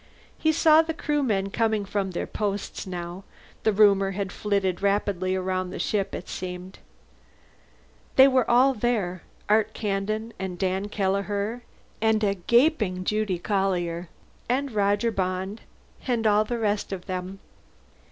He saw the Crewmen coming from their posts now; the rumor had flitted rapidly around the ship, it seemed. They were all there, Art Kandin and Dan Kelleher and a gaping Judy Collier and Roger Bond and all the rest of them.